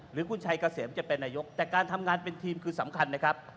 หรือคุณชัยเกษมจะเป็นนายกแต่การทำงานเป็นทีมคือสำคัญนะครับ